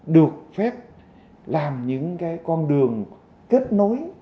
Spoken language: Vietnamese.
được phép làm những cái con đường kết nối